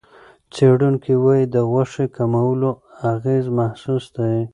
څېړونکي وايي، د غوښې کمولو اغېز محسوس دی.